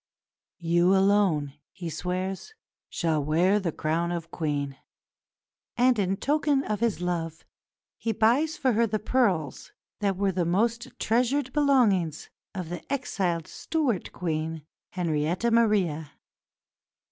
"You alone," he swears, "shall wear the crown of Queen"; and in token of his love he buys for her the pearls that were the most treasured belongings of the exiled Stuart Queen, Henrietta Maria.